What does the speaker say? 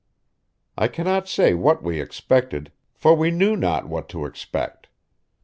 I cannot say what we expected, for we knew not what to expect.